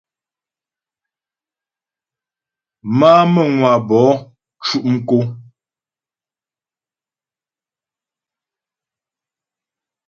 Má'a Məwabo cʉ' mkǒ.